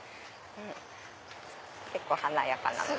結構華やかなので。